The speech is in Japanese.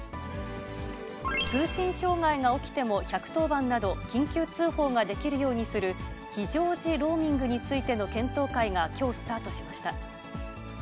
通信障害が起きても、１１０番など緊急通報ができるようにする非常時ローミングについての検討会が、きょうスタートしました。